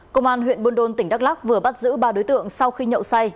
công an huyện buôn đôn tỉnh đắk lắc vừa bắt giữ ba đối tượng sau khi nhậu say